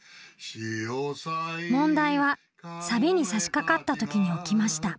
問題はサビにさしかかったときに起きました。